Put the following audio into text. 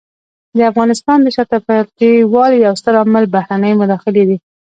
د افغانستان د شاته پاتې والي یو ستر عامل بهرنۍ مداخلې دي.